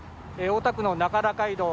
大田区の中原街道